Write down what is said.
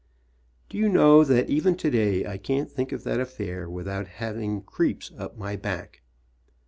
Do you know that even today I can't think of that affair without having creeps up my back.